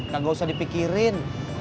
gak usah dipikirin